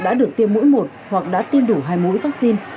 đã được tiêm mỗi một hoặc đã tiêm đủ hai mũi vaccine